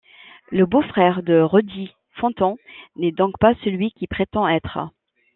Le beau-frère de Rudy Fenton n'est donc pas celui qu'il prétend être.